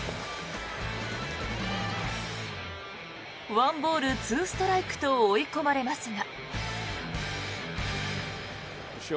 １ボール２ストライクと追い込まれますが。